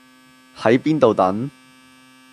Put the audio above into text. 喺邊度等